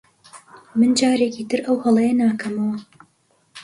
من جارێکی تر ئەو هەڵەیە ناکەمەوە.